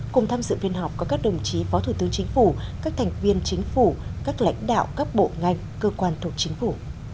cùng tham dự phiên họp có các đồng chí phó thủ tướng chính phủ các thành viên chính phủ các lãnh đạo các bộ ngành cơ quan thuộc chính phủ